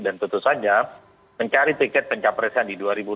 dan tentu saja mencari tiket pencapresian di dua ribu dua puluh empat